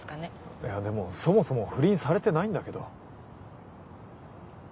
いやでもそもそも不倫されてないんだけど。